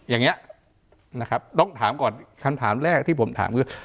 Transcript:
อย่างนี้นะครับต้องถามก่อนคำถามแรกที่ผมถามคือ